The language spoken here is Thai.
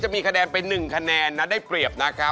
จะมีคะแดนเป็นหนึ่งคะแนนได้เปรียบนะครับ